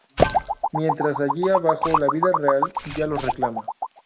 Mientras, allí abajo, la vida real ya los reclama.